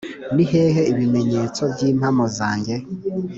ni hehe ibimenyetso byimpano zanjye?